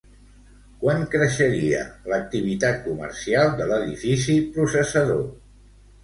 Quant creixeria l'activitat comercial de l'edifici processador?